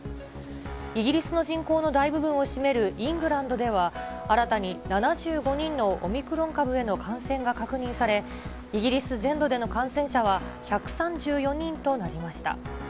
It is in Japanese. イギリスの人口の大部分を占めるイングランドでは、新たに７５人のオミクロン株への感染が確認され、イギリス全土での感染者は１３４人となりました。